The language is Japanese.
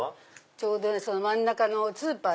ちょうど真ん中のスーパー。